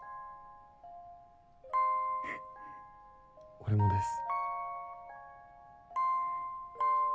俺もです。